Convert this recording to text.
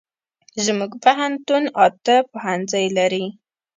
زمونږ پوهنتون اته پوهنځي لري